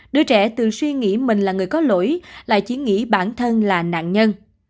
đứa trẻ thường suy nghĩ mình là người có lỗi lại chỉ nghĩ bản thân là nạn nhân